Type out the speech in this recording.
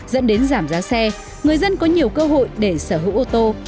dẫn đến giảm giá xe người dân có nhiều cơ hội để sở hữu ô tô